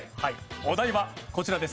お題はこちらです。